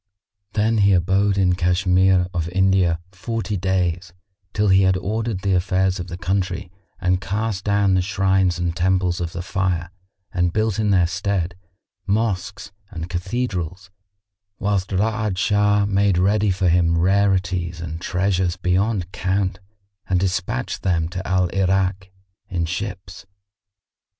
Then he abode in Cashmere of India forty days, till he had ordered the affairs of the country and cast down the shrines and temples of the Fire and built in their stead mosques and cathedrals, whilst Ra'ad Shah made ready for him rarities and treasures beyond count and despatched them to Al Irak in ships.